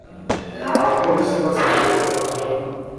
Abapolisi basabye ko yajyana nabo